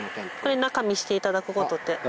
これ中見せていただくことって。